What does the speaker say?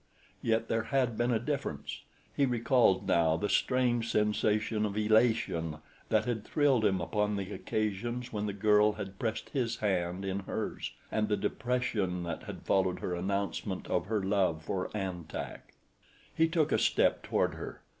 Yet there had been a difference he recalled now the strange sensation of elation that had thrilled him upon the occasions when the girl had pressed his hand in hers, and the depression that had followed her announcement of her love for An Tak. He took a step toward her.